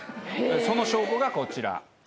その証拠がこちら。